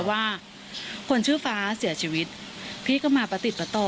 ว่าคนชื่อฟ้าเสียชีวิตพี่ก็มาประติดประต่อ